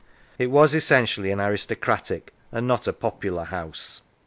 It was essentially an aristocratic and not a popular House."